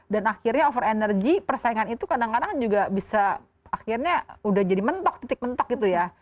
dan akhirnya over energy persaingan itu kadang kadang juga bisa akhirnya udah jadi mentok titik mentok gitu ya